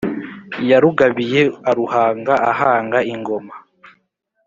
Yarugabiye aruhanga ahanga ingoma